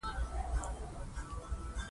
هغه بايد مناسبې او عملي لارې چارې پيدا کړي.